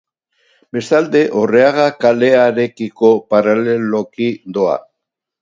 Bestalde, Orreaga kalearekiko paraleloki doa.